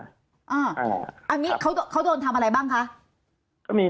อันนี้เขาโดนทำอะไรบ้างคะ